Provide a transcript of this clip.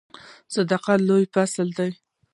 صداقت لومړی فصل دی .